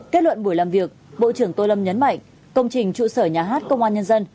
kết luận buổi làm việc bộ trưởng tô lâm nhấn mạnh công trình trụ sở nhà hát công an nhân dân